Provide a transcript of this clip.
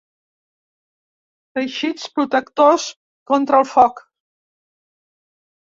Teixits protectors contra el foc.